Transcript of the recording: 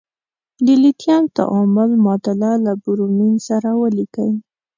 د لیتیم تعامل معادله له برومین سره ولیکئ.